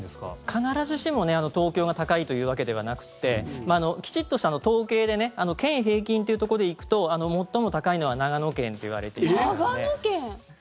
必ずしも東京が高いというわけではなくてきちんとした統計で県平均というところでいうと最も長いのは長野県といわれていますね。